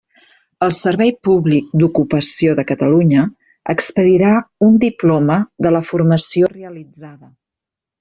El Servei Públic d'Ocupació de Catalunya expedirà un diploma de la formació realitzada.